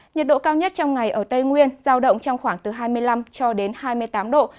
nhiệt độ cao nhất trong ngày ở tây nguyên giao động trong khoảng từ hai mươi năm cho đến hai mươi tám độ